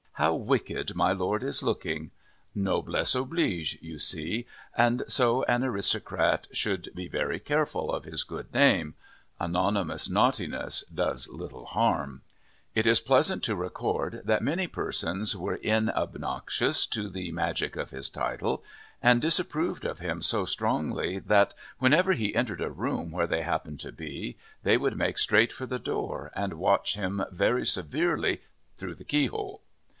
"How wicked my Lord is looking!" Noblesse oblige, you see, and so an aristocrat should be very careful of his good name. Anonymous naughtiness does little harm. It is pleasant to record that many persons were inobnoxious to the magic of his title and disapproved of him so strongly that, whenever he entered a room where they happened to be, they would make straight for the door and watch him very severely through the key hole.